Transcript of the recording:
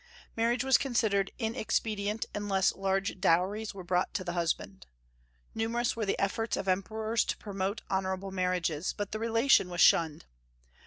Marriage was considered inexpedient unless large dowries were brought to the husband. Numerous were the efforts of Emperors to promote honorable marriages, but the relation was shunned.